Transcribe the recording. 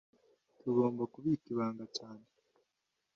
Tugomba kubika ibanga cyane